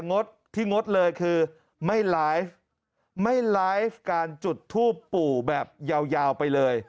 งดที่งดเลยคือไม่ไลฟ์ไม่ไลฟ์การจุดทูปปู่แบบยาวยาวไปเลย